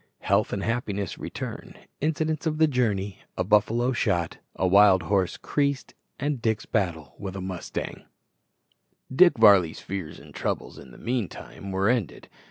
Health and happiness return Incidents of the journey_ A buffalo shot A wild horse "creased" Dick's battle with a mustang. Dick Varley's fears and troubles, in the meantime, were ended.